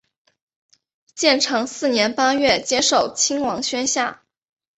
建长四年八月接受亲王宣下。